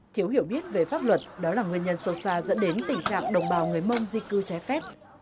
thiếu hiểu biết về pháp luật đó là nguyên nhân sâu xa dẫn đến tình trạng đồng bào người mông di cư trái phép